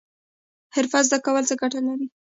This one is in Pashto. حرفه زده کول څه ګټه لري؟